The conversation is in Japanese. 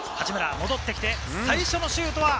戻ってきて最初のシュート。